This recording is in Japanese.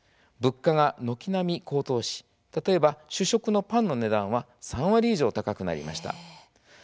物価が軒並み高騰し、例えば主食のパンの値段は３割以上高くなりました。